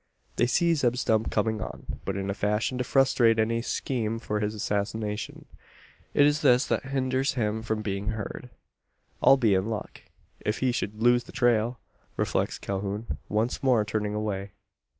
They see Zeb Stump coming on; but in a fashion to frustrate any scheme for his assassination. It is this that hinders him from being heard. "I'll be in luck, if he should lose the trail!" reflects Calhoun, once more turning away.